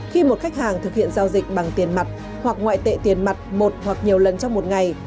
khi một khách hàng thực hiện giao dịch bằng tiền mặt hoặc ngoại tệ tiền mặt một hoặc nhiều lần trong một ngày